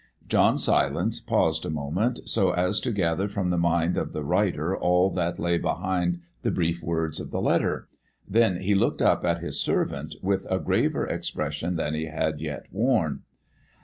John Silence paused a moment, so as to gather from the mind of the writer all that lay behind the brief words of the letter. Then he looked up at his servant with a graver expression than he had yet worn.